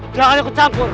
jangan aku campur